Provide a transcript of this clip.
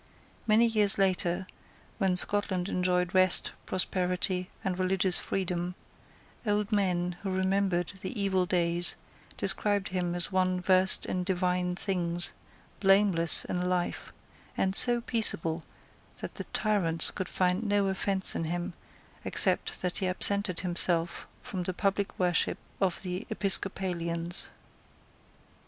Many years later, when Scotland enjoyed rest, prosperity, and religious freedom, old men who remembered the evil days described him as one versed in divine things, blameless in life, and so peaceable that the tyrants could find no offence in him except that he absented himself from the public worship of the Episcopalians.